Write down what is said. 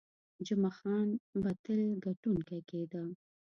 جمعه خان به تل ګټونکی کېده.